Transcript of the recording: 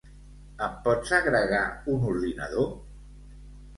Em pots agregar un ordinador?